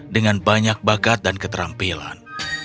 dengan banyak bakat dan keterampilan